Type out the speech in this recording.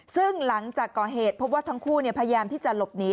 ซึ่งหลังจากก่อเหตุพบว่าทั้งคู่พยายามที่จะหลบหนี